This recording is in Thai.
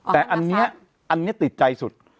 แต่อันนี้อันนี้ติดใจสุด